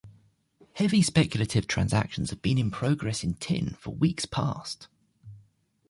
Heavy speculative transactions have been in progress in tin for weeks past.